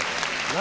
何？